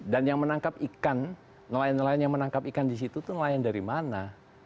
dan yang menangkap ikan nelayan nelayan yang menangkap ikan di situ tuh nelayan dari mana